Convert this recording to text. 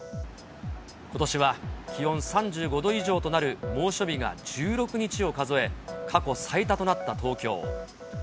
ことしは気温３５度以上となる猛暑日が１６日を数え、過去最多となった東京。